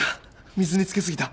水につけすぎた。